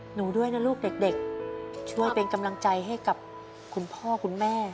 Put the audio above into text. หนูด้วยนะลูกเด็กช่วยเป็นกำลังใจให้กับคุณพ่อคุณแม่